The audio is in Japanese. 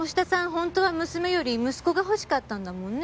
本当は娘より息子が欲しかったんだもんね。